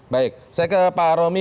baik saya ke pak romi